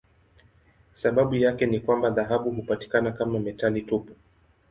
Sababu yake ni kwamba dhahabu hupatikana kama metali tupu.